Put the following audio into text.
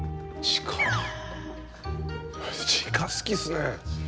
地下好きっすね。